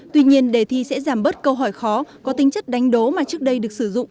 tuy nhiên đề thi sẽ giảm bớt câu hỏi khó có tính chất đánh đố mà trước đây được sử dụng